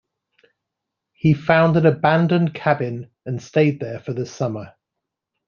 He found an abandoned cabin and stayed there for the summer.